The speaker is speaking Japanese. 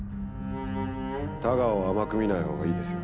田川を甘く見ない方がいいですよ。